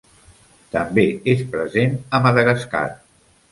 També és present a Madagascar.